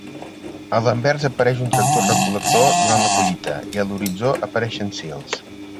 A l'anvers apareix un tractor recol·lector durant la collita i a l'horitzó apareixen sils.